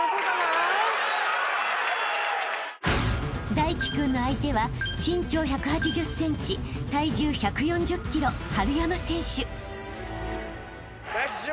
［泰輝君の相手は身長１８０ｃｍ体重１４０ｋｇ春山選手］